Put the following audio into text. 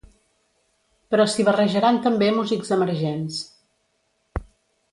Però s’hi barrejaran també músics emergents.